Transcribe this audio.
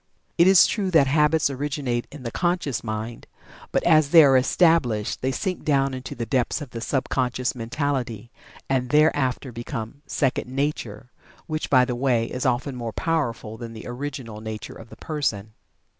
It is true that Habits originate in the conscious mind, but as they are established they sink down into the depths of the sub conscious mentality, and thereafter become "second nature," which, by the way, is often more powerful than the original nature of the person.